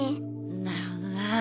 なるほどな。